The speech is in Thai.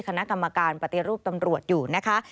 คณะกรรมการปฏิรูปตำรวจอยู่นะคะ